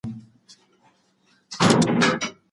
د نشهيي توکو او قمار مجلس ته ورتګ څنګه دی؟